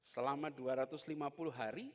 selama dua ratus lima puluh hari